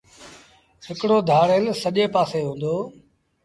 هڪڙو ڌآڙيل سڄي پآسي هُݩدو